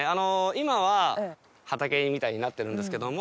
今は畑みたいになってるんですけども。